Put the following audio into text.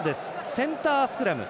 センタースクラム。